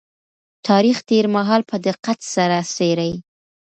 تاريخ تېر مهال په دقت سره څېړي.